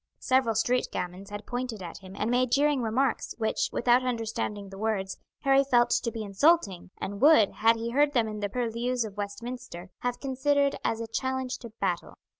Several street gamins had pointed at him and made jeering remarks, which, without understanding the words, Harry felt to be insulting, and would, had he heard them in the purlieus of Westminster, have considered as a challenge to battle.